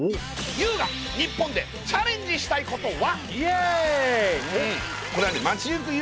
「ＹＯＵが日本でチャレンジしたいことは？」。